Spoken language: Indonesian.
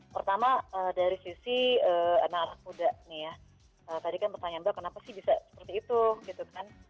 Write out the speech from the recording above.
pertama dari sisi anak anak muda tadi kan pertanyaan mbak kenapa bisa seperti itu